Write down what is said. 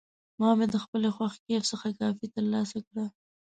ما د خپلې خوښې کیفې څخه کافي ترلاسه کړه.